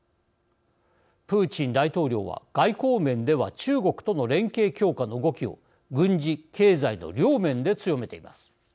プーチン大統領は、外交面では中国との連携強化の動きを軍事経済の両面で強めています。